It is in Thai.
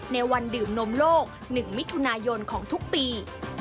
ในวันดื่มนมโลก๑มิถุนายนของทุกปี